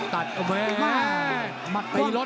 ตามต่อยกที่๓ครับ